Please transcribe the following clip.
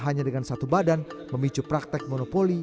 hanya dengan satu badan memicu praktek monopoli